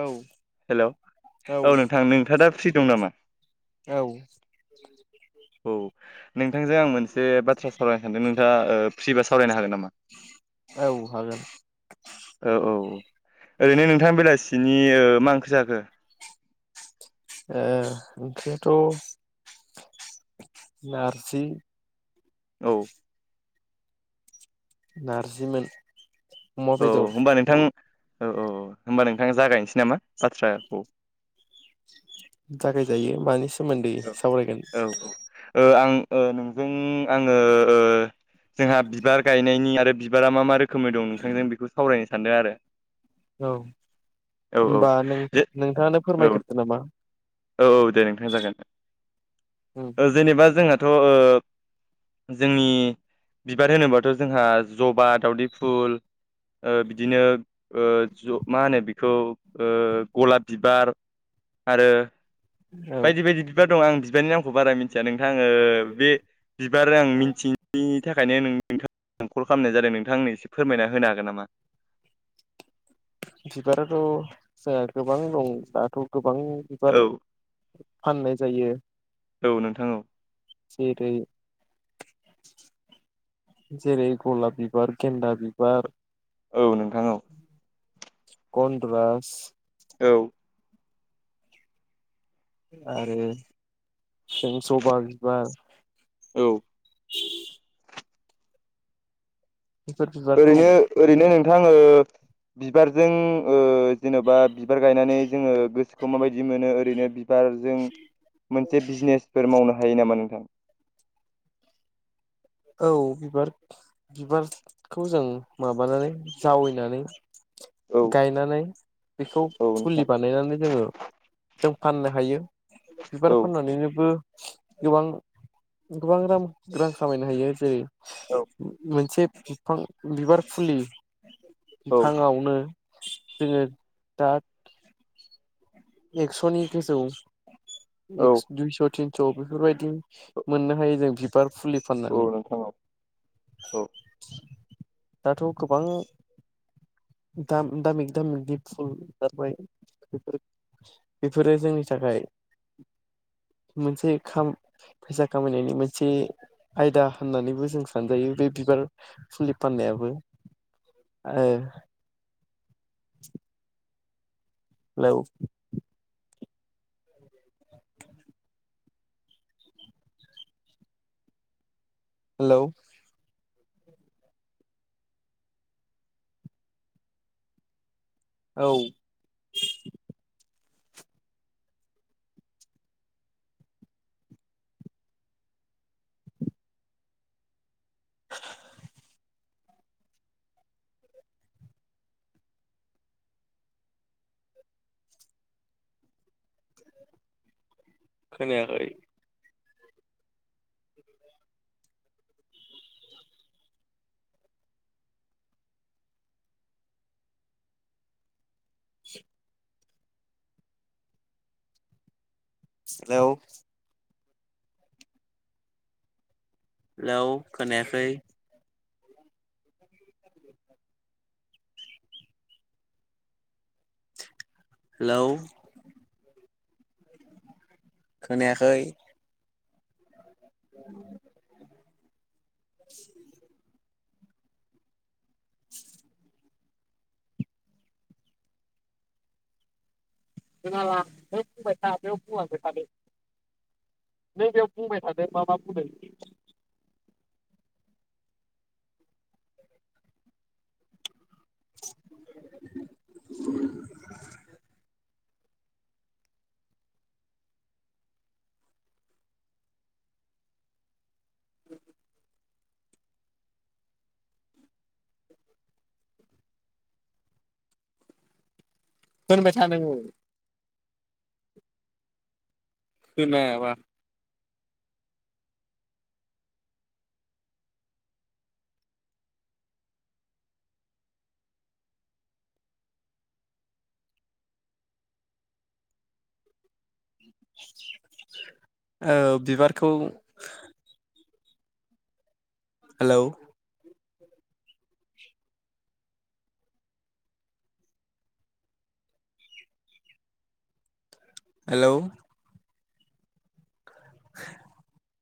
औ हेल' औ नोंथां नोंथाङ दा फ्रि दं नामा? औ। औ नोंथांजों आं मोनसे बाथ्रा सावरायनो सानदों नोंथाङा ओ फ्रिबा सावरायनोगोन नामा? औ हागोन। औ दिनि मा ओंख्रि जाखो? ओ ओंख्रिआथ' नारजि औ। नारजिमोन। अमा औ बेदर होनोमबा नोंथां औ औ होनोमबा नोंथाङा जागायनोसै नामा बाथ्राखौ। जागायजायो मानि सोमोन्दै औ सावरायगोन? औ ओ आं ओ नोंजों आङो जोंहा बिबार गायनायनि आरो बिबारा मा मा रोखोमनि दं नोंथांजों बेखौ सावरायनो सानदों आरो। औ। औ औ होनोमबा नों जे नोंथाङानो औ फोरमायग्रोदो नामा? औ औ दे नोंथां जागोन। उम ओ जेनेबा जोंहाथ'ओ जोंनि बिबार होनोबाथ' जोंहा जबा, दावदै फुल। ओ बिदिनो ओ ज मा होनो बेखौ गलाब बिबार आरो औ। बायदि बायदि बिबार आं बिबारनि नामखौ बारा मिथिया नोंथां आंङो बे बिबार आं मिथि थाखायनो नों नोंथां कल खालामनाय जादों नोंथां आंनो एसे फोरमायना होनो हागोन नामा? बिबाराथ' जोंहा गोबां दं दाथ' गोबां औ बिबार फाननाय जायो। औ नोंथां औ। जेरै जेरै गलाप बिबार, गेन्दा बिबार। औ नोंथां औ। गद राजस। औ। आरो जों जबा बिबार औ बेफोर बिबारखौ ओरैनो ओरैनो नोंथां ओ बिबारजों ओ जेनबा बिबार गायनानै जोंङो गोसोखौ माबायदि मोनो ओरैनो बि बार जों मोनसे बिजनेसफोर मावनो हा हायो नामा नोंथां? औ बिबार बिबारखौ जों माबानानै जावैनानै औ गायनानै बेखौ औ नोंथां फुलि बानायनानै जोङो जों फाननो हायो। बिबार औ फाननानैनोबो गोबां गोबां रां रां खामायनो हायो जेरै औ मोनसे बिफां बिबार फुलि औ बिफाङावनो जोंङो दा एकसनि गोजौ औ एक्स दुइस थिन स बेफोरबायदि मोननो हायो जों बिबार फुलि औ फाननानै नोंथां औ औ दाथ गोबां दाम दामिक दामिकनि फुल ओंखारबाय बेफोर बेफोरो जोंनि थाखाय [inaudible] मोनसे खाम फैसा खामायनायनि मोनसे आयदा होननानैबो जों सानजायो बे बि बिबार फुलि फाननायाबो आओ [inaudible] हेलौ हेलौ औ खोनायाखै हेलौ हेलौ खोनायाखै हेलौ खोनायाखै [inaudible] [inaudible] [unintelligible] बेयाव बुंलांबाय थादो नै बेयाव बुंबाय थादों माबा बुंदों। [unintelligible] होनबायथा नोङो। खोनायाबा- ओ बिबारखौ हेलौ। हेलौ। [unintelligible]